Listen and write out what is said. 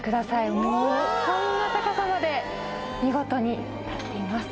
もうこんな高さまで見事に立っています。